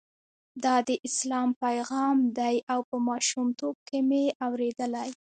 دا د اسلام پیغام دی او په ماشومتوب کې مې اورېدلی.